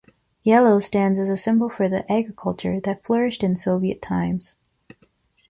Yellow stands as a symbol for the agriculture that flourished in Soviet times.